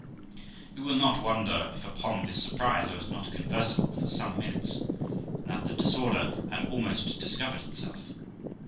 You will not wonder if upon this surprise I was not conversable for some minutes, and that the disorder had almost discovered itself.